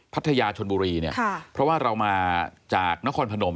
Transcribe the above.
พัทยาชนบุรีเนี่ยค่ะเพราะว่าเรามาจากนครพนม